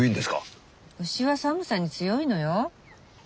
牛は寒さに強いのよ。